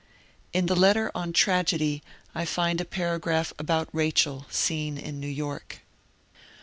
In the letter on Tragedy I find a paragraph about Rachel, seen in New York.